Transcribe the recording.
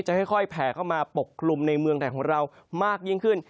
ค่อยแผ่เข้ามาปกกลุ่มในเมืองไทยของเรามากยิ่งขึ้น